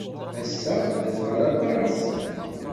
Ass-a, d aẓɣal aṭas.